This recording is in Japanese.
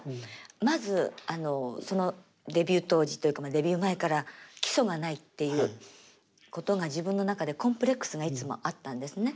まずデビュー当時というかデビュー前から基礎がないっていうことが自分の中でコンプレックスがいつもあったんですね。